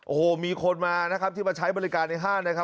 โอ้โหมีคนมานะครับที่มาใช้บริการในห้างนะครับ